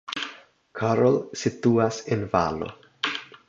Karl situas en valo.